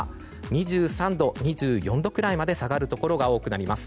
２３度、２４度くらいまで下がるところが多くなります。